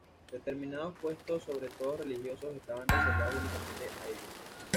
Determinados puestos, sobre todo religiosos, estaban reservados únicamente a ellos.